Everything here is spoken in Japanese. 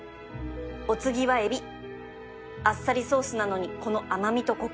お次は海老あっさりソースなのにこの甘みとコク